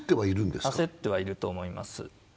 焦ってはいると思います。